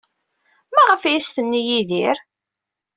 Maɣef ay as-tenna i Yidir?